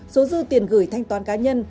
số dư tiền gửi thanh toán cá nhân